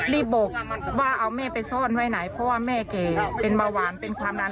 บอกว่าเอาแม่ไปซ่อนไว้ไหนเพราะว่าแม่แก่เป็นเบาหวานเป็นความดัน